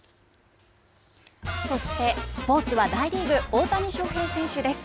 そしてスポーツは大リーグ、大谷翔平選手です。